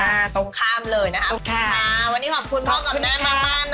ตรงข้ามเลยนะครับค่ะวันนี้ขอบคุณพ่อกับแม่มากมากนะคะ